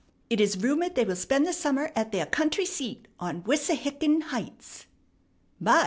It is rumored they will spend the summer at their country seat on Wissahickon Heights." "My!"